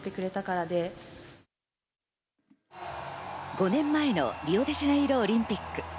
５年前のリオデジャネイロオリンピック。